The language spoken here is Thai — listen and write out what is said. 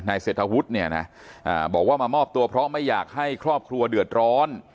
เศรษฐวุฒิเนี่ยนะบอกว่ามามอบตัวเพราะไม่อยากให้ครอบครัวเดือดร้อน